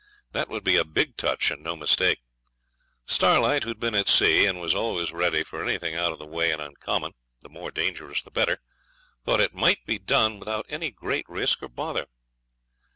That would be a big touch and no mistake. Starlight, who had been at sea, and was always ready for anything out of the way and uncommon, the more dangerous the better, thought it might be done without any great risk or bother.